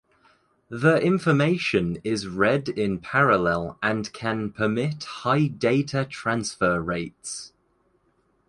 The information is read in parallel and can permit high data transfer rates.